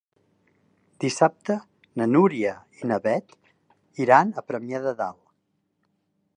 Dissabte na Núria i na Beth iran a Premià de Dalt.